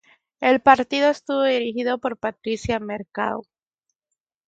El partido estuvo dirigido por Patricia Mercado.